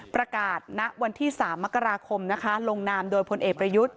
ประกาศณวันที่๓มกราคมลงนามโดยพลเอกประยุทธ์